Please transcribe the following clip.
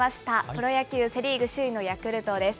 プロ野球・セ・リーグ首位のヤクルトです。